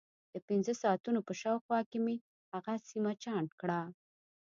د پنځه ساعتونو په شاوخوا کې مې هغه سیمه چاڼ کړه.